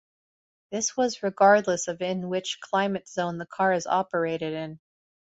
This was regardless of in which climate zone the car is operated in.